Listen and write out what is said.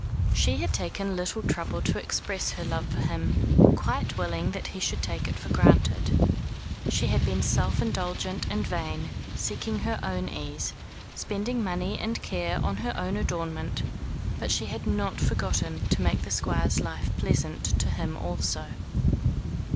She had taken little trouble to express her love for him, quite willing that he should take it for granted. She had been self indulgent and vain; seeking her own ease, spending money and care on her own adornment; but she had not forgotten to make the Squire's life pleasant to him also.